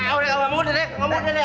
nah udah kamu udah deh